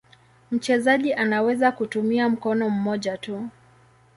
Mchezaji anaweza kutumia mkono mmoja tu.